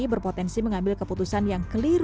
berpotensi mengambil keputusan yang clear